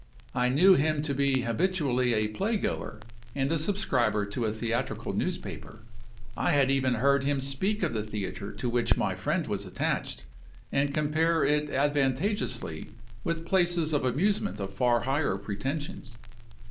I knew him to be habitually a play goer and a subscriber to a theatrical newspaper. I had even heard him speak of the theatre to which my friend was attached, and compare it advantageously with places of amusement of far higher pretensions.